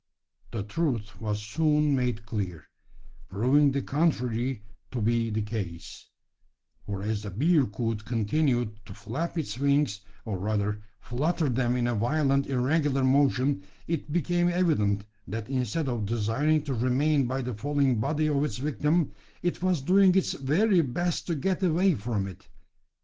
The truth was soon made clear proving the contrary to be the case: for as the bearcoot continued to flap its wings, or rather, flutter them in a violent irregular motion, it became evident that instead of desiring to remain by the fallen body of its victim, it was doing its very best to get away from it!